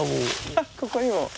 あっここにも。